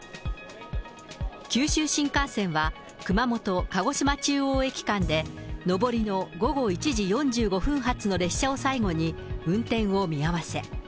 九州新幹線は熊本・鹿児島中央駅間で上りの午後１時４５分発の列車を最後に、運転を見合わせ。